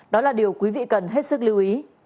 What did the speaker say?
đó là điều quý vị cần hết sức lưu ý